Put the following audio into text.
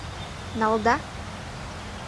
— Налыда?